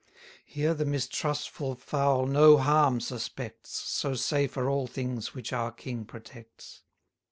Here the mistrustful fowl no harm suspects, So safe are all things which our king protects.